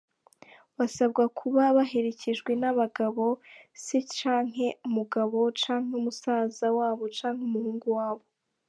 Basabwa kuba baherekejwe n'abagabo, se canke umugabo, canke musaza wabo canke umuhungu wabo.